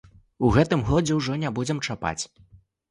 У гэтым годзе ўжо не будзем чапаць.